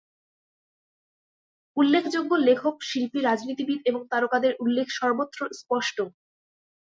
উল্লেখযোগ্য লেখক, শিল্পী, রাজনীতিবিদ এবং তারকাদের উল্লেখ সর্বত্র স্পষ্ট।